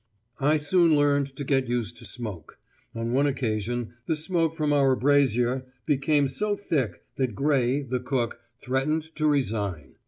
I soon learned to get used to smoke; on one occasion the smoke from our brazier became so thick that Gray, the cook, threatened to resign.